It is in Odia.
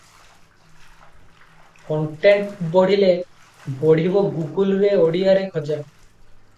କଣ୍ଟେଣ୍ଟ ବଢ଼ିଲେ ବଢ଼ିବ ଗୁଗୁଲରେ ଓଡ଼ିଆରେ ଖୋଜା ।